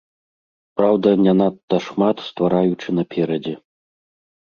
Праўда, не надта шмат ствараючы наперадзе.